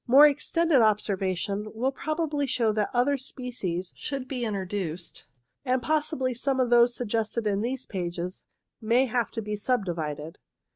More extended observa tion will probably show that other species should be introduced, and possibly some of those sug gested in these pages may have to be subdivided.